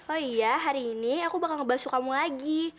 oh iya hari ini aku bakal ngebasu kamu lagi